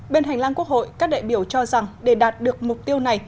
bên hành lang quốc hội các đại biểu cho rằng để đạt được mục tiêu này